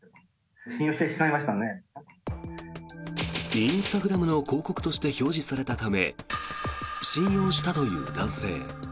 インスタグラムの広告として表示されたため信用したという男性。